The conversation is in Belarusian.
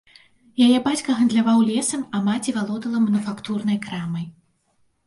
Яе бацька гандляваў лесам, а маці валодала мануфактурнай крамай.